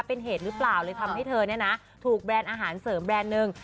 เป็นเหตุหรือเปล่าเลยทำให้เธอเนี่ยนะถูกแบรนด์อาหารเสริมแรนด์หนึ่ง